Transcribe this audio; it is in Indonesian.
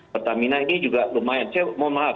pertamina ini juga lumayan saya mohon maaf